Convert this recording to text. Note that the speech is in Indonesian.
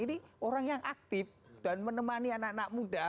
ini orang yang aktif dan menemani anak anak muda